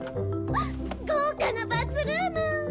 豪華なバスルーム！